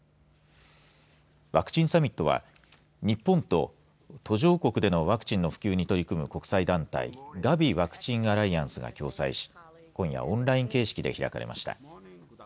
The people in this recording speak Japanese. ワクチンサミットは日本と途上国でのワクチンの普及に取り組む国際団体Ｇａｖｉワクチンアライアンスが共催し今夜、オンライン形式で開かれました。